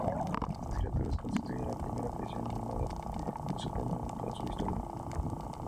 Estas caricaturas constituyen la primera aparición animada de "Superman" en toda su historia.